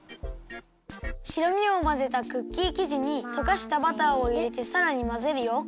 白身をまぜたクッキーきじにとかしたバターをいれてさらにまぜるよ。